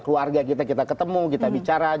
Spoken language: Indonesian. keluarga kita kita ketemu kita bicara